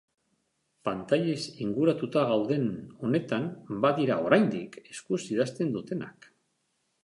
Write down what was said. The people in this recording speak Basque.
Pantailez inguratuta gauden honetan badira, oraindik, eskuz idazten dutenak.